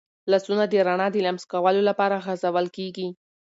لاسونه د رڼا د لمس کولو لپاره غځول کېږي.